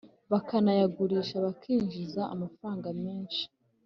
bakanayagurisha bakinjiza amafaranga menshi.